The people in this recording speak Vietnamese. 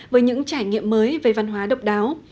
với những trải nghiệm mới về văn hóa độc đáo